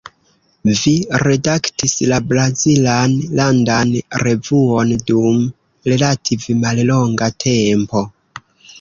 Vi redaktis la brazilan landan revuon dum relative mallonga tempo.